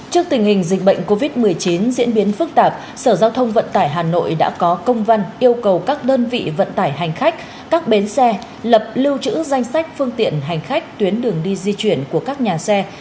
trước tình hình dịch bệnh covid một mươi chín diễn biến phức tạp sở giao thông vận tải hà nội đã có công văn yêu cầu các đơn vị vận tải hành khách các bến xe lập lưu trữ danh sách phương tiện hành khách tuyến đường đi di chuyển của các nhà xe